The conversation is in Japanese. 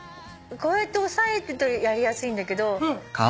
こうやって押さえるとやりやすいんだけど。